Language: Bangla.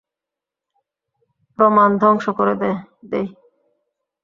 প্রমাণ ধ্বংস করে দেই।